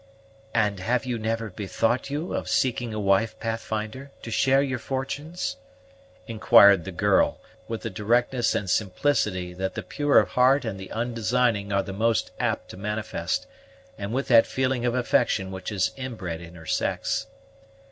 "And have you never bethought you of seeking a wife, Pathfinder, to share your fortunes?" inquired the girl, with the directness and simplicity that the pure of heart and the undesigning are the most apt to manifest, and with that feeling of affection which is inbred in her sex.